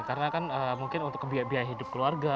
karena kan mungkin untuk biaya biaya hidup keluarga